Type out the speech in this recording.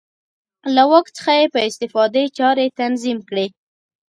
له واک څخه یې په استفادې چارې تنظیم کړې.